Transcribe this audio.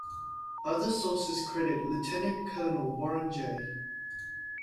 Other sources credit Lieutenant Colonel Warren J.